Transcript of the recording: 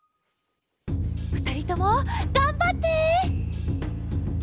ふたりともがんばって！